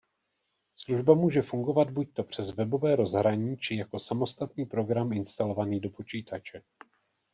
Služba může fungovat buďto přes webové rozhraní či jako samostatný program instalovaný do počítače.